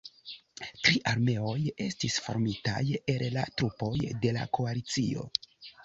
Tri armeoj estis formitaj el la trupoj de la koalicio.